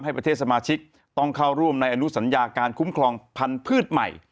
ประเทศสมาชิกต้องเข้าร่วมในอนุสัญญาการคุ้มครองพันธุ์พืชใหม่